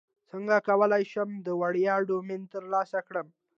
څنګه کولی شم د وړیا ډومین ترلاسه کړم